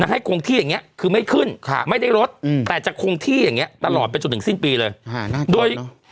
ให้คงที่อย่างนี้คือไม่ขึ้นไม่ได้รถแต่จะคงที่อย่างนี้ตลอดไปจนถึงสิ้นปีเลยโดย